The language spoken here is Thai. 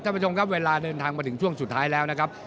ท่านผู้ชมครับเวลาเดินทางมาถึงช่วงสุดท้ายแล้วนะครับ